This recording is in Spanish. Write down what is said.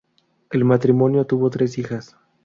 El matrimonio tuvo tres hijas.